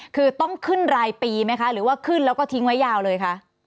คือต้องขึ้นรายปีไหมคะหรือว่าขึ้นแล้วก็ทิ้งไว้ยาวเลยคะ